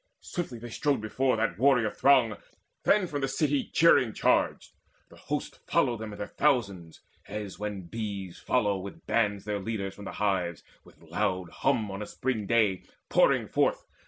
Swiftly they strode before that warrior throng Then from the city cheering charged. The host Followed them in their thousands, as when bees Follow by bands their leaders from the hives, With loud hum on a spring day pouring forth.